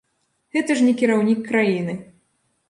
Гэта ж не кіраўнік краіны!